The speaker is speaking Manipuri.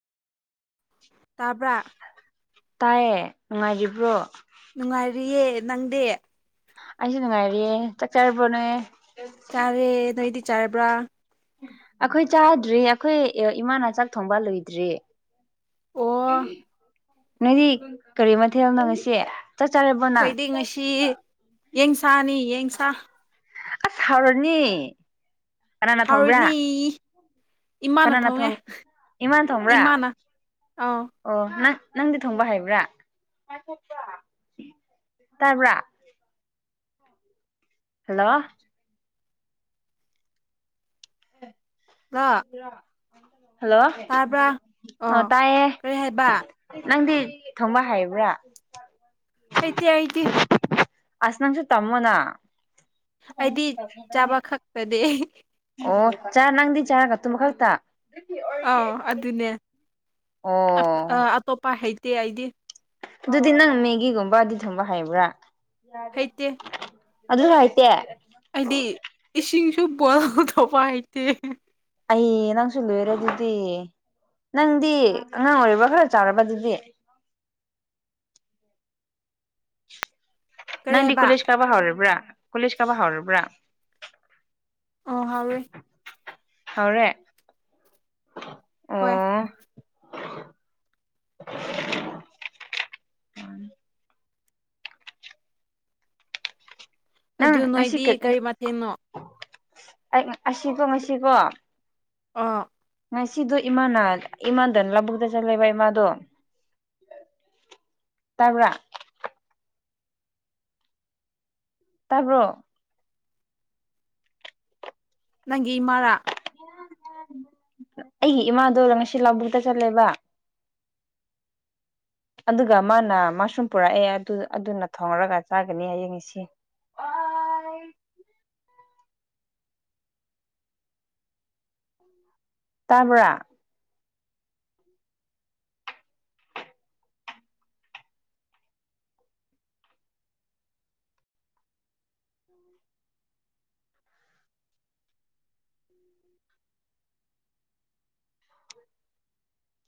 ꯇꯥꯕ꯭ꯔꯥ ꯇꯥꯏꯌꯦ ꯅꯨꯡꯉꯥꯏꯔꯤꯕ꯭ꯔꯣ ꯅꯨꯡꯉꯥꯏꯔꯤꯌꯦ ꯅꯪꯗꯤ ꯑꯩꯁꯨ ꯅꯨꯡꯉꯥꯏꯔꯤꯌꯦ ꯆꯥꯛ ꯆꯥꯔꯕ꯭ꯔꯣ ꯅꯣꯏ ꯆꯥꯔꯦ ꯅꯣꯏꯗꯤ ꯆꯥꯔꯕ꯭ꯔꯥ ꯑꯩꯈꯣꯏ ꯆꯥꯗ꯭ꯔꯤ ꯑꯩꯈꯣꯏ ꯏꯃꯥꯅ ꯆꯥꯛ ꯊꯣꯡꯕ ꯂꯣꯏꯗ꯭ꯔꯤ ꯑꯣ ꯅꯣꯏꯗꯤ ꯀꯔꯤ ꯃꯊꯦꯜꯅꯣꯉꯁꯤ ꯆꯥꯛ ꯆꯥꯔꯕꫭ ꯑꯩꯈꯣꯏꯗꯤ ꯉꯁꯤ ꯌꯦꯟꯁꯥꯅꯤ ꯌ°ꯟꯁꯥ ꯑꯁ ꯍꯥꯎꯔꯅꯤ ꯀꯅꯥꯅ ꯊꯣꯡꯕ꯭ꯔꯥ ꯍꯥꯎꯔꯥꯅꯤ ꯏꯃꯥꯅ ꯀꯅꯥꯅ ꯊꯣꯡꯉꯦ ꯊꯣꯡ ꯏꯃꯥꯅ ꯊꯣꯡꯕ꯭ꯔꯥ ꯏꯃꯥꯅ ꯑꯥꯎ ꯑꯣ ꯅꯪ ꯅꯪꯗꯤ ꯊꯣꯡꯕ ꯍꯥꯏꯕ꯭ꯔꯥ ꯇꯥꯕ꯭ꯔꯥ ꯍꯜꯂꯣ ꯍꯜꯂꯣ ꯍꯜꯂꯣ ꯑꯣ ꯇꯥꯏꯌꯦ ꯀꯔꯤ ꯍꯥꯏꯕ ꯅꯪꯗꯤ ꯊꯣꯡꯕ ꯍꯩꯕ꯭ꯔꯥ ꯍꯩꯇ° ꯍꯩꯇꯦ ꯑꯁ ꯅꯪꯁꯨ ꯇꯝꯃꯣꯅꯥ ꯑꯩꯗꯤ ꯆꯥꯕ ꯈꯛꯇꯅꯦ ꯑꯣ ꯆꯥ ꯅꯪꯗꯤ ꯆꯥꯒ ꯇꯨꯃ ꯀꯥꯛꯇ ꯑꯥ ꯑꯗꯨꯅꯦ ꯑꯣ ꯑꯇꯣꯞꯄ ꯍꯩꯇꯦ ꯑꯩꯗꯤ ꯑꯗꯨꯗꯤ ꯅꯪ ꯃꯦꯒꯤꯒꯨꯝꯕ ꯑꯗꯨꯗꯤ ꯊꯨꯝꯕ ꯍꯥꯏꯕ꯭ꯔꯥ ꯍꯩꯇꯦ ꯑꯗꯨ ꯍꯥꯏꯥꯏꯇꯦ ꯍꯥꯏꯗꯤ ꯏꯁꯤꯡꯁꯨ ꯕꯣꯏꯜ ꯇꯧꯕ ꯍꯩꯇꯦ ꯑꯩ ꯅꯪꯁꯨ ꯂꯣꯏꯔꯦ ꯑꯗꯨꯗꯤ ꯅꯪꯗꯤ ꯑꯉꯥꯡ ꯑꯣꯏꯔꯤꯕ꯭ꯔ ꯈꯔ ꯆꯥꯔꯕ ꯑꯗꯨꯗꯤ ꯀꯔꯤ ꯅꯪꯗꯤ ꯍꯥꯏꯕ ꯀꯣꯂꯦꯖ ꯀꯥꯕ ꯍꯧꯔꯕ꯭ꯔꯥ ꯀꯣꯂꯦꯖ ꯀꯥꯕ ꯍꯧꯔꯕ꯭ꯔꯥ ꯑꯣ ꯍꯧꯔꯦ ꯍꯥꯎꯔꯦ ꯈ꯭ꯁ ꯅꯪ ꯑꯗꯨ ꯉꯁꯤ ꯅꯣꯏꯗꯤ ꯀꯔꯤ ꯃꯊꯦꯜꯅꯣ ꯑꯁꯤꯕꯣ ꯉꯁꯤꯕꯣ ꯑꯥ ꯉꯁꯤꯗꯣ ꯏꯃꯥꯟꯅ ꯏꯃꯥꯟꯗꯅ ꯂꯧꯕꯨꯛꯇ ꯆꯠꯂꯦꯕ ꯏꯃꯥꯗꯣ ꯇꯥꯕꯔꫭ ꯇꯥꯕ꯭ꯔꯣ ꯅꯪꯒꯤ ꯏꯃꯥꯔꯥ ꯑꯩꯒꯤ ꯏꯃꯥꯗꯔ ꯉꯁꯤ ꯂꯥꯕꯨꯗ ꯆꯠꯂꯦꯕ ꯑꯗꯨꯒ ꯃꯥꯅ ꯃꯁꯔꯨꯝ ꯄꯨꯔꯛꯑꯦ ꯑꯗꯨ ꯑꯗꯨꯅ ꯊꯣꯡꯉꯔꯒ ꯆꯥꯒꯅꯤ ꯍꯌꯦꯡ ꯏꯁꯤ ꯇꯥꯕ꯭ꯔꯥ